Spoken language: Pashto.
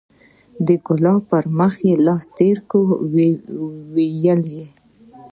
ګلاب پر مخ لاس تېر کړ ويې ويل.